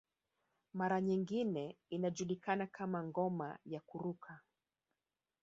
Mara nyingine inajulikana kama ngoma ya kuruka